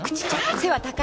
背は高い？